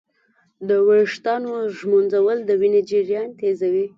د ویښتانو ږمنځول د وینې جریان تېزوي.